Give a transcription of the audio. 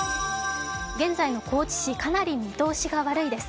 現在の高知市、かなり見通しが悪いです。